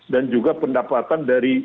dan juga pendapatan dari